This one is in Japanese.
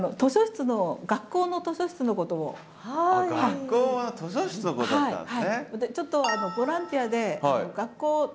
学校の図書室のことだったんですね。